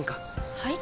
はい？